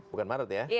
bukan maret ya